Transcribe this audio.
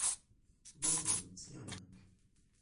Bardzo ją doceniamy